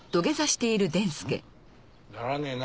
ん？ならねえな。